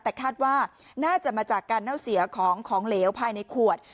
แต่คาดว่าน่าจะมาจากการเน่าเสียของของเหลวภายในขวด